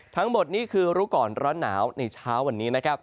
ทั้งหมดนี่คือรู้ก่อนร้อนหนาวในเช้าวันนี้นะครับ